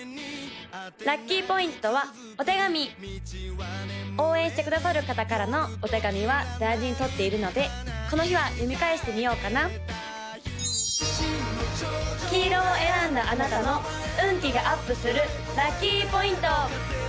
・ラッキーポイントはお手紙応援してくださる方からのお手紙は大事に取っているのでこの日は読み返してみようかな黄色を選んだあなたの運気がアップするラッキーポイント！